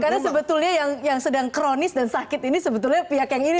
karena sebetulnya yang sedang kronis dan sakit ini sebetulnya pihak yang ini